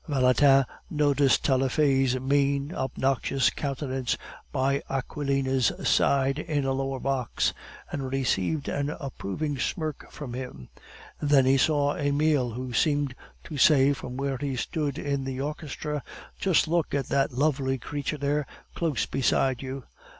Valentin noticed Taillefer's mean, obnoxious countenance by Aquilina's side in a lower box, and received an approving smirk from him. Then he saw Emile, who seemed to say from where he stood in the orchestra, "Just look at that lovely creature there, close beside you!"